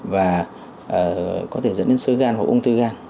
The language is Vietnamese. và có thể dẫn đến sơ gan hoặc ung thư gan